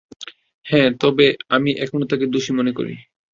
হ্যাঁ, তবে আমি এখনও তাকে দোষী মনে করি।